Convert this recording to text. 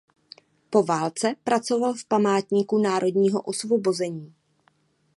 Po válce pracoval v Památníku národního osvobození.